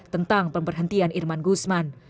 tentang pemberhentian irman guzman